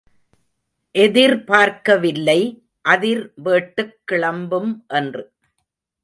எதிர்பார்க்கவில்லை அதிர் வேட்டுக் கிளம்பும் என்று.